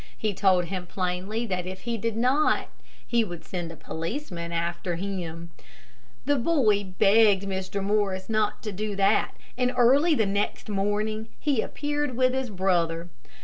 He told him plainly that if he did not he would send a policeman after him. The boy begged Mr. Morris not to do that, and early the next morning he appeared with his brother.